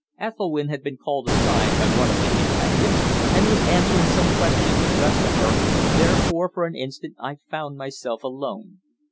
Ethelwynn had been called aside by one of the detectives, and was answering some questions addressed to her, therefore for an instant I found myself alone.